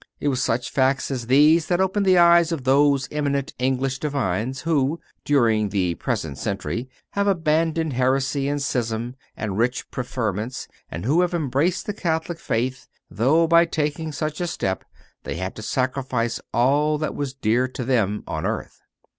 It was such facts as these that opened the eyes of those eminent English divines who, during the present century, have abandoned heresy and schism and rich preferments and who have embraced the Catholic faith, though, by taking such a step, they had to sacrifice all that was dear to them on earth.